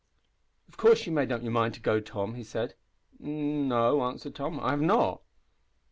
"Of course you've made up your mind to go, Tom?" he said. "N no," answered Tom. "I have not."